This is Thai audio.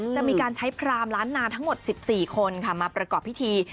จะมีการใช้พรามล้านนาทั้งหมด๑๔คนมาประกอบพิธี